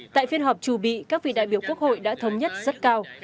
tại phiên họp chủ bị các vị đại biểu quốc hội đã thống nhất rất cao